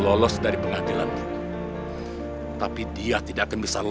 kita cari rezeki buat makan kita